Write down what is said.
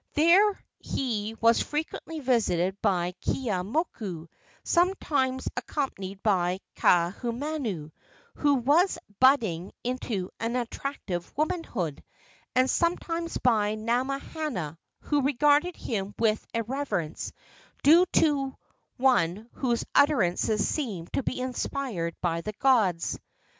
There he was frequently visited by Keeaumoku, sometimes accompanied by Kaahumanu, who was budding into an attractive womanhood, and sometimes by Namahana, who regarded him with a reverence due to one whose utterances seemed to be inspired by the gods.